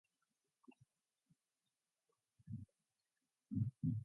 This area was also residence to Muslims as well.